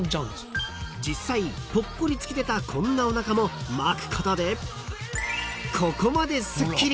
［実際ぽっこり突き出たこんなおなかも巻くことでここまですっきり］